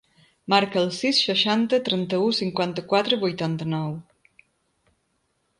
Marca el sis, seixanta, trenta-u, cinquanta-quatre, vuitanta-nou.